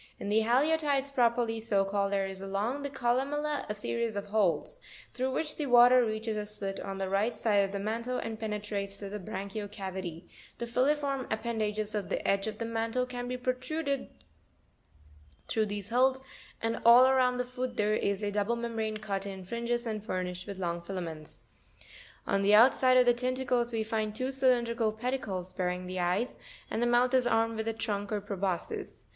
In the Haliotides properly so called, there is along the columella a series of holes, through which the water reaches a slit on the right side of the mantle, and penetrates to the branchial cavity ; the filiform ap pendages of the edge of the mantle can be protruded through these holes, andall around the foot there is a double membrane cut in fringes and furnished with long filaments. On the outside of the tentacles we find two cylindrical pedicles, bearing the eyes; and the mouth is armed with a trunk or proboscis.